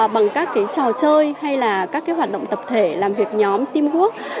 bằng các trò chơi hay là các hoạt động tập thể làm việc nhóm team work